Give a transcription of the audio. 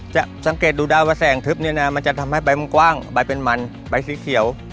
สังเกตดูได้ว่าแสงทึบเนี่ยนะมันจะทำให้ใบมันกว้างใบเป็นมันใบสีเขียว